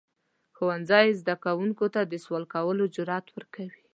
ښوونځی زده کوونکو ته د سوال کولو جرئت ورکوي.